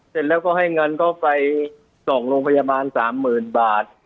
เสร็จแล้วก็ให้เงินเขาไปส่งโรงพยาบาล๓๐๐๐บาท